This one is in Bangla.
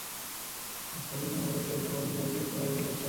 তার পরদিন তোমাকে মুখ দেখাতে পারি নি লজ্জায়।